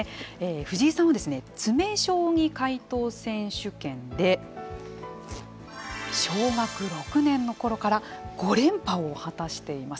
藤井さんは詰将棋解答選手権で小学６年のころから５連覇を果たしています。